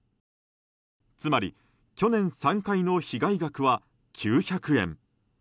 つまり、去年３回の被害額は９００円。